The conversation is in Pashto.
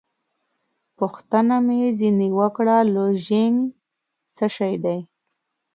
پوښتنه مې ځینې وکړه: لوژینګ څه شی دی؟